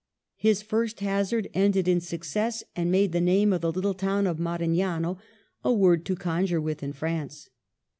His first hazard ended in success, and made the name of the little town of Marignano a word to conjure with in France.